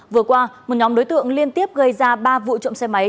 vừa qua một nhóm đối tượng liên tiếp gây ra ba vụ trộm xe máy